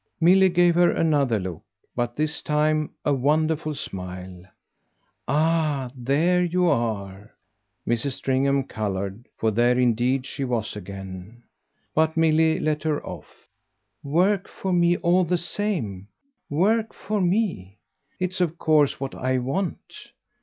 Milly gave her another look, but this time a wonderful smile. "Ah there you are!" Mrs. Stringham coloured, for there indeed she was again. But Milly let her off. "Work for me, all the same work for me! It's of course what I want."